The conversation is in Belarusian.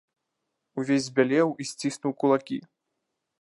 Увесь збялеў і сціснуў кулакі.